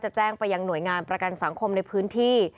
แจ้งไปยังหน่วยงานประกันสังคมในพื้นที่